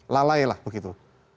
lalih la begitu